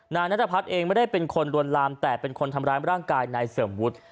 นายนัทพัฒน์เองไม่ได้เป็นคนลวนลามแต่เป็นคนทำร้ายร่างกายนายเสริมวุฒิ